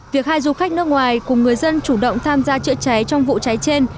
việc hai du khách nước ngoài cùng người dân chủ động tham gia chữa cháy trong vụ cháy trên